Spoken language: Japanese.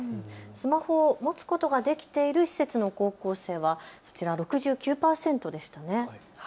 スマホを持つことができている施設の高校生は６９％でしたね。